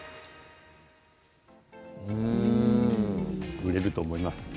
売れると思います？